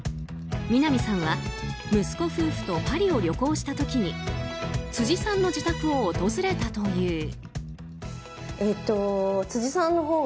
南さんは息子夫婦とパリを旅行した時に辻さんの自宅を訪れたという。